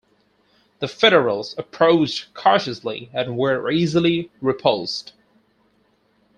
The Federals approached cautiously and were easily repulsed.